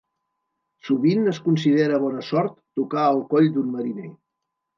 Sovint es considera bona sort tocar el coll d'un mariner.